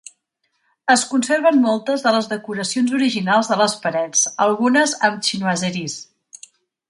Es conserven moltes de les decoracions originals de les parets, algunes amb "chinoiseries".